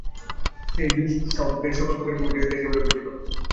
সে এই দুই সভ্যের সকলপ্রকার কমিটি হইতে একেবারে বর্জিত।